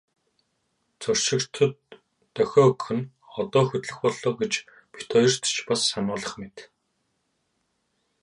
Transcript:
Зорчигчдод дохио өгөх нь одоо хөдлөх боллоо гэж бид хоёрт ч бас сануулах мэт.